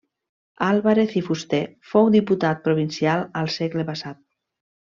Álvarez i Fuster fou diputat provincial al segle passat.